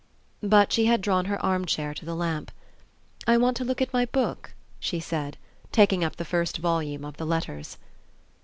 But she had drawn her armchair to the lamp. "I want to look at my book," she said, taking up the first volume of the "Letters."